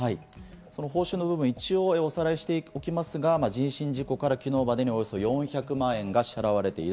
報酬の部分、一応おさらいしておきますが、人身事故から昨日までにおよそ４００万円が支払われている。